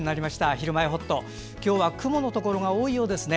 「ひるまえほっと」。今日は雲のところが多いようですね。